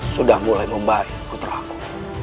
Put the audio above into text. sudah mulai membaik putraku